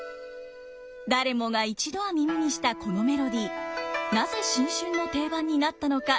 誰もが一度は耳にしたこのメロディーなぜ新春の定番になったのか？